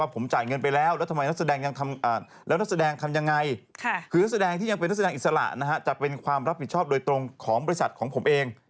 ผิดชอบโดยตรงของบริษัทของผมเอง